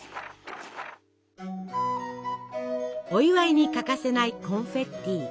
お祝いに欠かせないコンフェッティ。